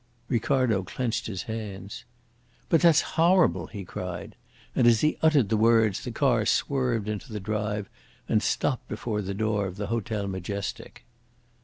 Ricardo clenched his hands. "But that's horrible!" he cried; and as he uttered the words the car swerved into the drive and stopped before the door of the Hotel Majestic.